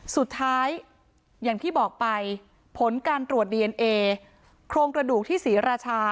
อย่างที่บอกไปผลการตรวจดีเอนเอโครงกระดูกที่ศรีราชา